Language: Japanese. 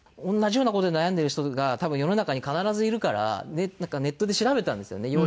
同じような事で悩んでる人が多分世の中に必ずいるからネットで調べたんですよね